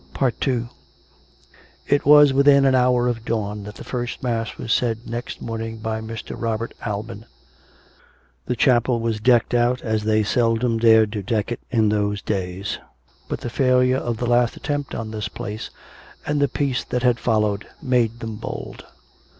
II It was within an hour of dawn that the first mass was said next morning by Mr. Robert Alban. The chapel was decked out as they seldom dared to deck it in those days; but the failure of the last attempt on this place, and the peace that had followed, made them bold.